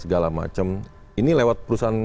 segala macam ini lewat perusahaan